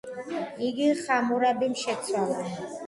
იგი ხამურაბიმ შეცვალა.